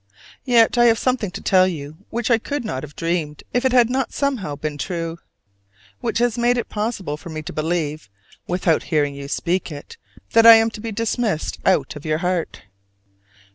Yet I have something to tell you which I could not have dreamed if it had not somehow been true: which has made it possible for me to believe, without hearing you speak it, that I am to be dismissed out of your heart.